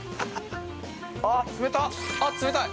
◆あっ、冷たっ、あっ冷たい。